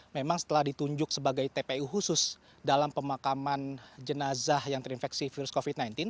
memang setelah ditunjuk sebagai tpu khusus dalam pemakaman jenazah yang terinfeksi virus covid sembilan belas